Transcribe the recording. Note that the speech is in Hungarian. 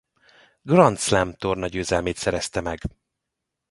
Grand Slam-tornagyőzelmét szerezte meg.